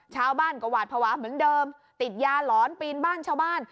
ชาวบ้านก็หวาดภาวะเหมือนเดิมติดยาหลอนปีนบ้านชาวบ้าน